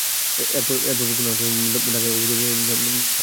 এরপর কোনো আলোচনা ছাড়াই ঢাকা গিয়ে অবৈধভাবে ধর্মঘটের ডাক দেওয়া হয়েছে।